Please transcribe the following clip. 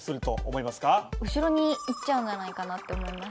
後ろに行っちゃうんじゃないかなって思います。